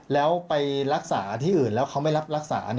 แล้วไปรักษาที่อื่นแล้วเขาไม่รับรักษา